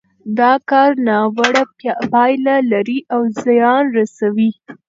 دا کار ناوړه پايلې لري او زيان رسوي.